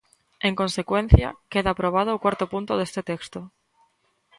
En consecuencia, queda aprobado o cuarto punto deste texto.